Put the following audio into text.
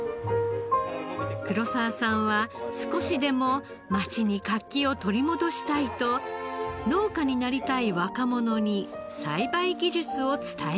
黒澤さんは少しでも町に活気を取り戻したいと農家になりたい若者に栽培技術を伝えています。